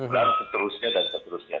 dan seterusnya dan seterusnya